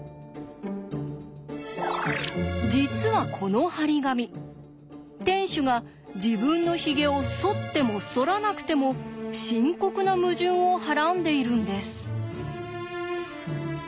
実はこの貼り紙店主が自分のヒゲをそってもそらなくても深刻な矛盾をはらんでいるんです。